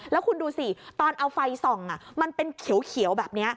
แล้วคุณดูสิตอนเอาไฟส่องมันเป็นเขียวแบบนี้